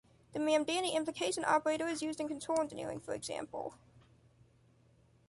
The “Mamdani Implication Operator” is used in control engineering, for example.